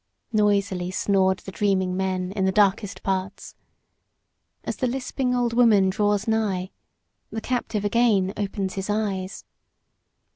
Noisily snored the dreaming men in the darkest parts. As the lisping old woman draws nigh, the captive again opens his eyes.